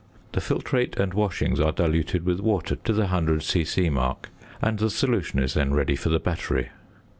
The filtrate and washings are diluted with water to the 100 c.c. mark, and the solution is then ready for the battery.